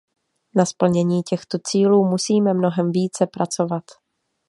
Na splnění těchto cílů musíme mnohem více pracovat.